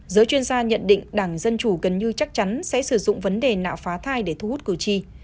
giới chuyên gia nhận định đảng dân chủ gần như chắc chắn sẽ sử dụng vấn đề nạo phá thai để thu hút cử tri